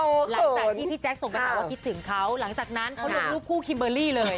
หลังจากที่พี่แจ๊คส่งไปหาว่าคิดถึงเขาหลังจากนั้นเขาลงรูปคู่คิมเบอร์รี่เลย